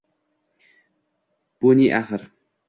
Бу не ахир –